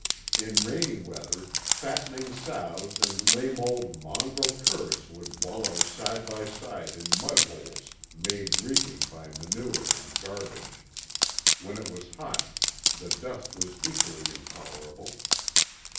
In rainy weather, fattening sows and lame old mongrel curs would wallow side by side in mudholes made reeking by manure and garbage. When it was hot, the dust was equally intolerable.